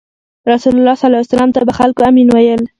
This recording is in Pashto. رسول الله ﷺ ته به خلکو “امین” ویل.